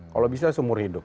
kalau bisa seumur hidup